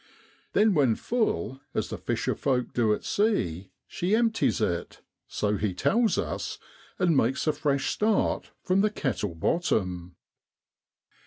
Then when full, as the fisher folk do at sea, she empties it, so he tells us, and makes a fresh start from the kettle bottom.